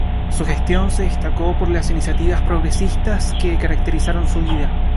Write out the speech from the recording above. Su gestión se destacó por las iniciativas progresistas que caracterizaron su vida.